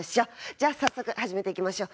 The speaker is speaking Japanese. じゃあ早速始めていきましょう。